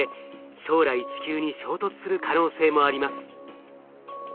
将来地球に衝突する可能性もあります。